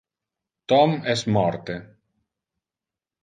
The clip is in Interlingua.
Tom es morte.